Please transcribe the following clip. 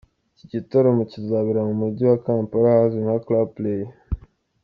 Iki gitaramo kizabera mu mujyi wa Kampala ahazwi nka Club Play.